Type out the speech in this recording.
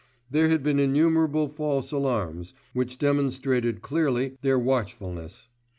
There had been innumerable false alarms, which demonstrated clearly their watchfulness.